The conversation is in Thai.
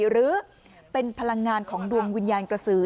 หรือเป็นพลังงานของดวงวิญญาณกระสือ